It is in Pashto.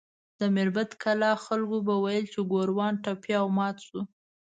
د میربت کلا خلکو به ویل چې ګوروان ټپي او مات شو.